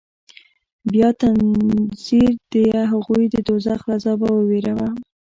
بيا تنذير ديه هغوى د دوزخ له عذابه ووېروه.